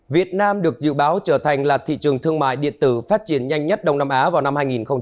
việt nam được dự báo trở thành là thị trường thương mại điện tử phát triển nhanh nhất đông nam á vào năm hai nghìn ba mươi